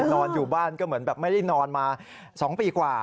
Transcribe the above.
นอนอยู่บ้านก็เหมือนแบบไม่ได้นอนมา๒ปีกว่า